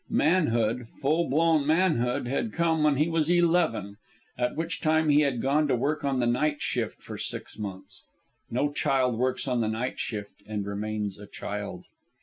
Manhood, full blown manhood, had come when he was eleven, at which time he had gone to work on the night shift for six months. No child works on the night shift and remains a child.